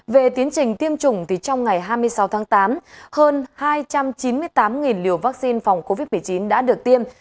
về tiến trình tiêm chủng trong ngày hai mươi sáu tháng tám hơn hai trăm chín mươi tám liều vaccine phòng covid một mươi chín đã được tiêm